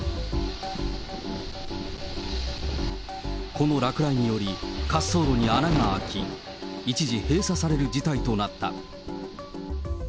この落雷により、滑走路に穴が開き、一時閉鎖される事態となった。